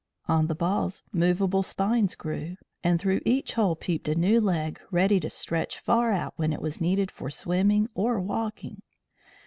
On the balls movable spines grew, and through each hole peeped a new leg ready to stretch far out when it was needed for swimming or walking.